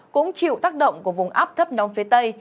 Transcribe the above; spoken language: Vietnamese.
cũng chịu tác động của vùng áp thấp nóng phía tây